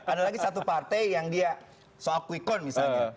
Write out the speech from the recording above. ada lagi satu partai yang dia soal quick count misalnya